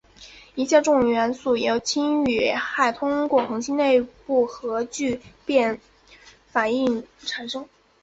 一切重元素由氢与氦通过恒星内部核聚变反应产生。